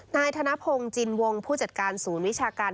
ธนพงศ์จินวงผู้จัดการศูนย์วิชาการ